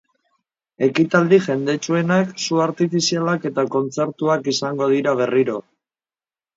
Ekitaldi jendetsuenak su artifizialak eta kontzertuak izango dira berriro.